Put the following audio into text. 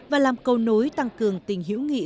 và làm cầu nối tăng cường tình hiểu nghị